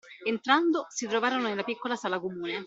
Entrando, si trovarono nella piccola sala comune.